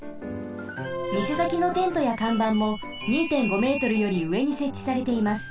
みせさきのテントやかんばんも２．５メートルよりうえにせっちされています。